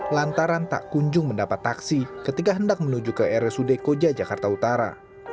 lantaran tak kunjung mendapat taksi ketika hendak menuju ke rsud koja jakarta utara